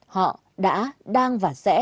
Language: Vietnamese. họ đã đang và sẽ